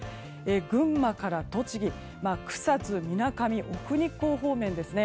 群馬から栃木、草津、みなかみ奥日光方面ですね。